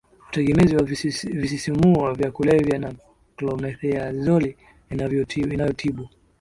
utegemezi wa visisimuo vya kulevya na klomethiazoli inayotibu